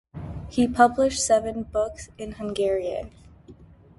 He published seven books in Hungarian.